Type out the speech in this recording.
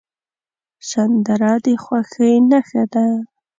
سندره د خوښۍ نښه ده